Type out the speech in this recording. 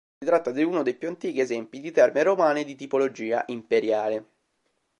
Si tratta di uno dei più antichi esempi di terme romane di tipologia "imperiale".